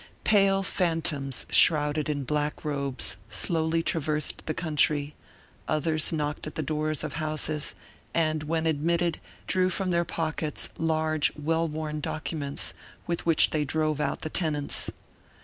Pale fantoms shrouded in black robes, slowly traversed the country; others knocked at the doors of houses, and when admitted, drew from their pockets large well worn documents with which they drove out the tenants.